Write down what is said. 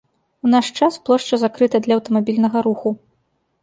У наш час плошча закрыта для аўтамабільнага руху.